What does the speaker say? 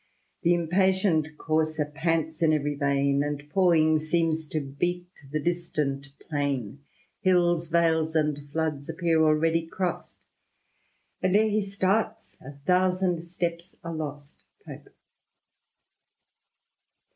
>»" Th' impatient courser pants in every vein. And pawing seems to beat the distant plain ; Hills, vales, and floods appear already crost, And ere he starts, a thousand steps are lost" Pope.